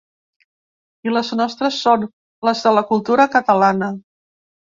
I les nostres són les de la cultura catalana.